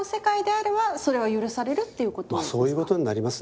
まあそういうことになりますね。